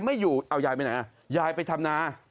ไม่อยู่เอายายไปไหนอ่ะยายไปทำนา